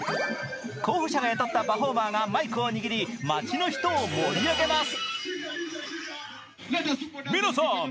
候補者が雇ったパフォーマーがマイクを握り町の人を盛り上げます。